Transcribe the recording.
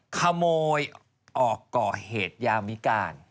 ขโมยออกก่อเหตุยามวิการ